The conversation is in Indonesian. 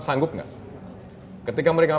sanggup enggak ketika mereka